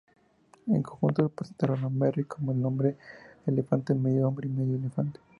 En conjunto, presentaron a Merrick como "El Hombre Elefante, medio hombre y medio elefante".